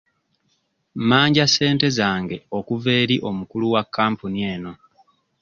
Mmanja ssente zange okuva eri omukulu wa kampuni eno.